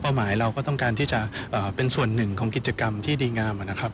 หมายเราก็ต้องการที่จะเป็นส่วนหนึ่งของกิจกรรมที่ดีงามนะครับ